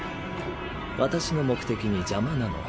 私の目的に邪魔なの。